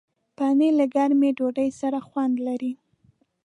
پنېر له ګرمې ډوډۍ سره خوند لري.